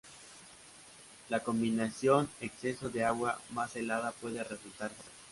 La combinación exceso de agua más helada puede resultar fatal.